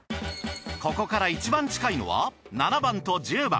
ここから一番近いのは７番と１０番。